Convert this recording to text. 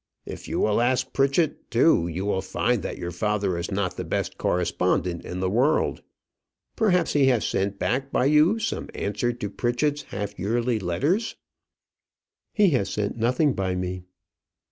If you will ask Pritchett too, you will find that your father is not the best correspondent in the world. Perhaps he has sent back by you some answer to Pritchett's half yearly letters?" "He has sent nothing by me."